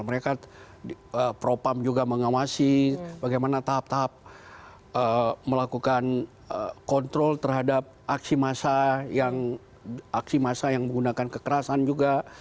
mereka propam juga mengawasi bagaimana tahap tahap melakukan kontrol terhadap aksi massa aksi massa yang menggunakan kekerasan juga